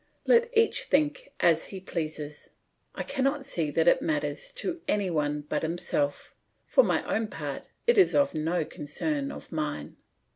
Let each think as he pleases; I cannot see that it matters to any one but himself; for my own part it is no concern of mine.